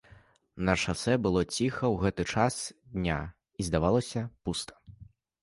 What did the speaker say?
На шасэ было ціха ў гэты час дня і, здавалася, пуста.